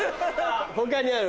他にある？